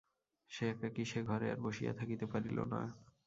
সে একাকী সে ঘরে আর বসিয়া থাকিতে পারিল না।